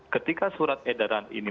ketika surat edaran ini